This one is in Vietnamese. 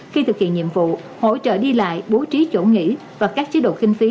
khi thực hiện nhiệm vụ hỗ trợ đi lại bố trí chỗ nghỉ và các chế độ kinh phí